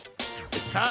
さあ